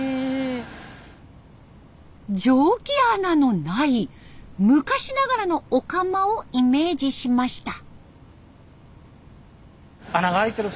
蒸気穴のない昔ながらのお釜をイメージしました。